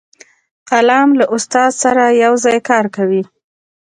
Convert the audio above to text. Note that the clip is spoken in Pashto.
قلم له استاد سره یو ځای کار کوي